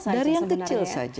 dari yang kecil saja